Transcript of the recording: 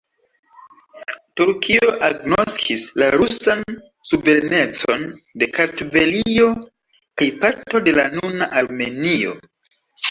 Turkio agnoskis la rusan suverenecon de Kartvelio kaj parto de la nuna Armenio.